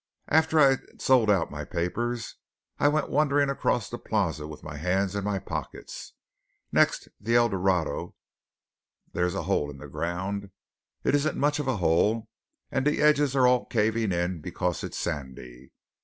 After I had sold out my papers I went wandering across the Plaza with my hands in my pockets. Next the El Dorado there is a hole in the ground. It isn't much of a hole, and the edges are all caving in because it is sandy.